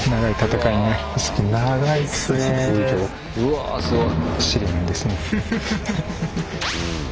うわすごい！